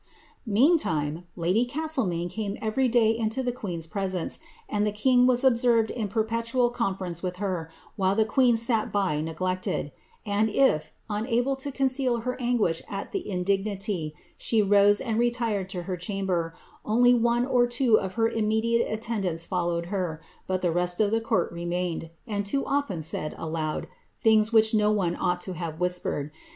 Meantime, lady Castlemaine came every day into the queen's presence, and the king was observed in perpetual conference with her, while the queen sat by neglected ; and if, unable to conceal her anguish at the in dignity, she rose and retired to her chamber, only one or two of her immediate attendants followed her, but the rest of tlie court remained, and too often said aloud things which no one ought to have whispered.